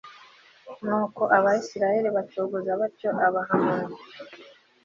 nuko abayisraheli bacogoza batyo abahamoni